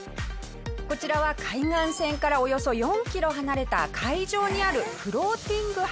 こちらは海岸線からおよそ４キロ離れた海上にあるフローティングハウス。